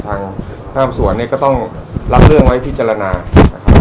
ทางภาพสวนเนี่ยก็ต้องรับเรื่องไว้พิจารณานะครับ